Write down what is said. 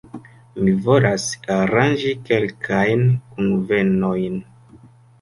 Mi volas aranĝi kelkajn kunvenojn.